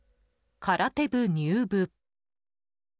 「空手部入部」。